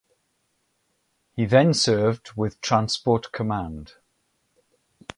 He then served with Transport Command.